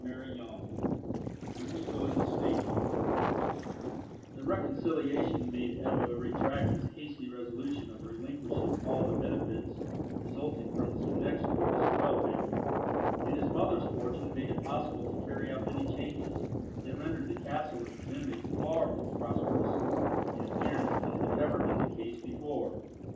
CHAPTER XVI THE EAGLE AND THE SNAKE THE reconciliation made Ebbo retract his hasty resolution of relinquishing all the benefits resulting from his connection with the Sorel family, and his mother's fortune made it possible to carry out many changes that rendered the castle and its inmates far more prosperous in appearance than had ever been the case before.